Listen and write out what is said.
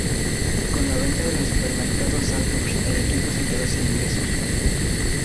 Con la venta de los supermercados Saturn el equipó se quedó sin ingresos.